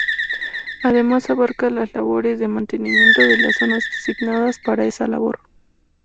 Además abarca las labores de mantenimiento de las zonas asignadas para esa labor.